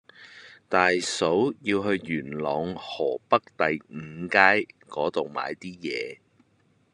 大嫂要去元朗河北第五街嗰度買啲嘢